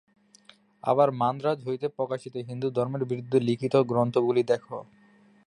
আবার মান্দ্রাজ হইতে প্রকাশিত, হিন্দুধর্মের বিরুদ্ধে লিখিত গ্রন্থগুলি দেখ।